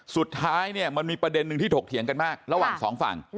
สุดท้ายเนี่ยมันมีประเด็นหนึ่งที่ถกเถียงกันมากระหว่างสองฝั่ง